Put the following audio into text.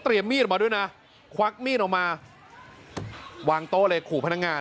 เตรียมมีดว่าด้วยนะควักมีดออกมาวางโต๊ะแล้วเขาขู่พนักงาน